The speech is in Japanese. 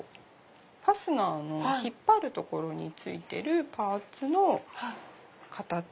ファスナーの引っ張る所についてるパーツの形。